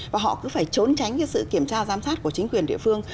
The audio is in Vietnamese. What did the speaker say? và họ cứ phải trốn tránh sự kiểm tra giám sát của chính quyền địa phương